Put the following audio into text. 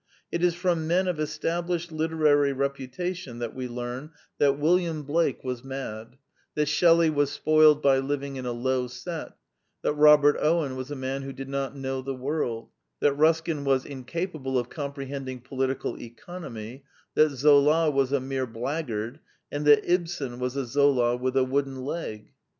It is from men of established literary reputation that we learn that William Blake was Ideals and Idealists 3 1 mad, that Shelley was spoiled by living in a low set, that Robert Owen was a man who did not know the world, that Ruskin was incapable of comprehending political economy, that Zola was a mere blackguard, and that Ibsen was '' a Zola with a wooden leg."